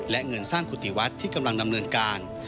และเงินสร้างกุฏิวัดที่กำลังดำเนินการ